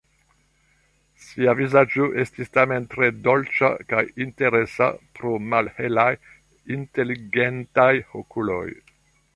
Ŝia vizaĝo estis tamen tre dolĉa kaj interesa pro malhelaj, inteligentaj okuloj.